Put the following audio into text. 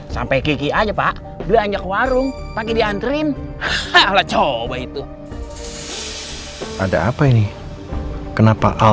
sampai jumpa di video selanjutnya